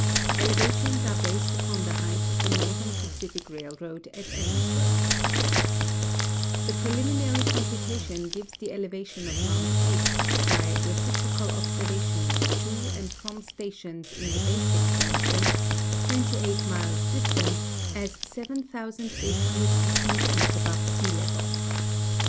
EleAUitions are based upon the height of the Northern Pacific railroad at Ellensburg. The ])reliminary comi)utation gives the eleA'ation of mount Aix, by recii)rocal observations to and from stations in the base ex|iansion, 28 miles distant, as 7,815 feet above sea level.